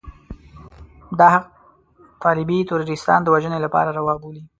دا حق طالبي تروريستان د وژنې لپاره روا بولي.